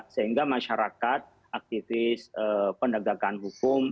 sehingga masyarakat aktivis penegakan hukum